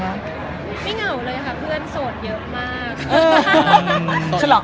ไม่เหมือนหน่าวเลยเพื่อนโสดเยอะมาก